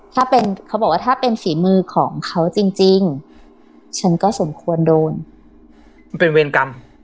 ถ้าเป็นเขาบอกว่าถ้าเป็นฝีมือของเขาจริงฉันก็สมควรโดนมันเป็นเวรกรรม